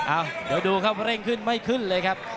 เดี๋ยวดูครับเร่งขึ้นไม่ขึ้นเลยครับ